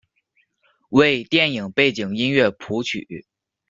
为电影背景音乐谱曲。